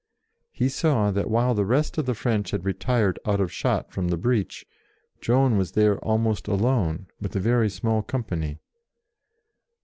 He saw that while the rest of the French had retired out of shot from the breach, Joan was there almost alone, with a very small company.